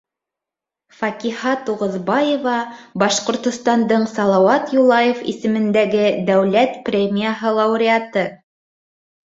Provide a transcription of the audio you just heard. Факиһа Туғыҙбаева, Башҡортостандың Салауат Юлаев исемендәге дәүләт премияһы лауреаты.